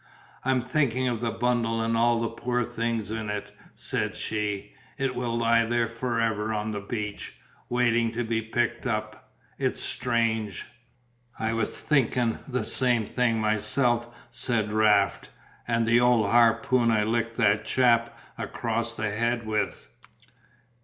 "I'm thinking of the bundle and all the poor things in it," said she, "it will lie there forever on the beach, waiting to be picked up it's strange." "I was thinkin' the same thing myself," said Raft, "and the old harpoon I licked that chap across the head with."